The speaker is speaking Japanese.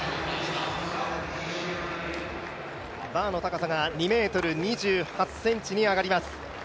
バーの高さが２ｍ２８ｃｍに上がります。